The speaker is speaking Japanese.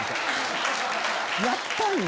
やったんよ。